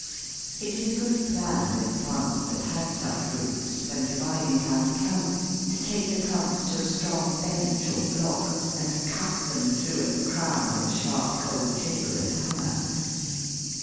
It is a good plan with plants that have such roots, when dividing time comes, to take the clumps to a strong bench or block and cut them through at the crown with a sharp cold chisel and hammer.